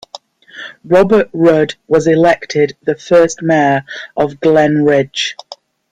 Robert Rudd was elected the first mayor of Glen Ridge.